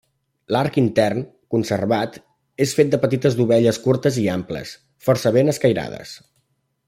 L'arc intern, conservat, és fet de petites dovelles curtes i amples, força ben escairades.